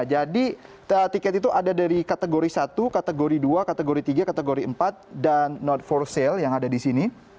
jadi tiket itu ada dari kategori satu kategori dua kategori tiga kategori empat dan not for sale yang ada di sini